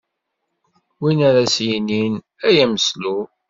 Win ara s-yinin: Ay ameslub!